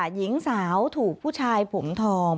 หญิงสาวถูกผู้ชายผมทอง